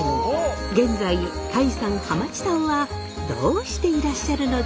現在タイさんハマチさんはどうしていらっしゃるのでしょう？